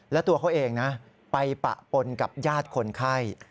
และตัวเขาเองนะไปปะปนกับญาติคนไข้